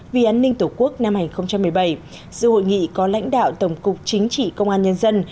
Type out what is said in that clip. vì an ninh tổ quốc năm hai nghìn một mươi bảy sự hội nghị có lãnh đạo tổng cục chính trị công an nhân dân